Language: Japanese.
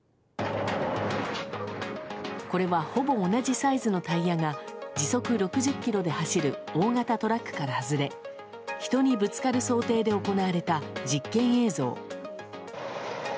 これはほぼ同じサイズのタイヤが時速６０キロで走る大型トラックから外れ人にぶつかる想定で行われた実験映像。